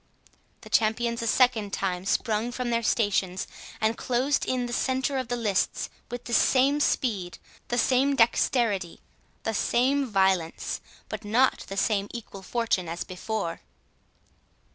The champions a second time sprung from their stations, and closed in the centre of the lists, with the same speed, the same dexterity, the same violence, but not the same equal fortune as before.